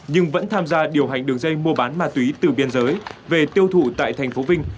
nhưng vẫn tham gia điều hành đường dây mua bán ma túy từ biên giới về tiêu thụ tại thành phố vinh